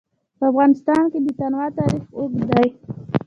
په افغانستان کې د تنوع تاریخ اوږد دی.